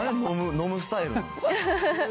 飲むスタイル。